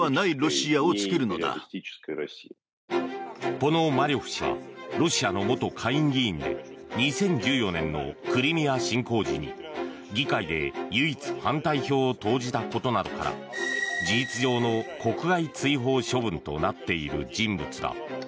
ポノマリョフ氏はロシアの元下院議員で２０１４年のクリミア侵攻時に議会で唯一反対票を投じたことなどから事実上の国外追放処分となっている人物だ。